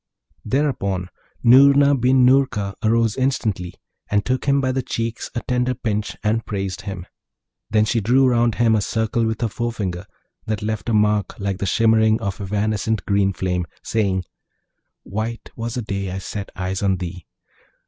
Thereupon, Noorna bin Noorka arose instantly, and took him by the cheeks a tender pinch, and praised him. Then drew she round him a circle with her forefinger that left a mark like the shimmering of evanescent green flame, saying, 'White was the day I set eyes on thee!'